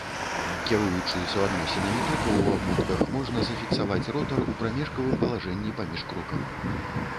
Кіруючы суадносінамі токаў у абмотках можна зафіксаваць ротар у прамежкавым палажэнні паміж крокамі.